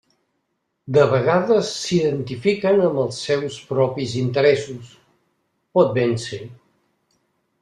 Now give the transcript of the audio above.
De vegades s'identifiquen amb els seus propis interessos, pot ben ser.